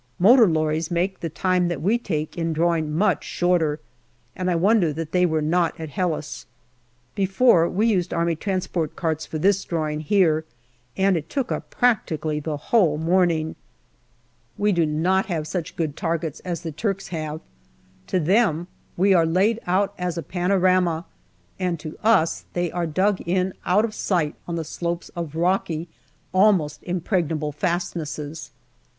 Motor lorries make the time that we take in drawing much shorter, and I wonder that they were not at Helles. Before, we used A.T. carts for this drawing here, and it took up practically the whole morning. 228 GALLIPOLI DIARY We do not have such good targets as the Turks have To them we are laid out as a panorama, and to us they are dug in out of sight on the slopes of rocky, almost impregnable fastnesses.